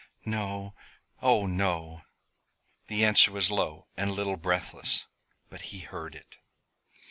"No oh, no!" The answer was low and a little breathless; but he heard it.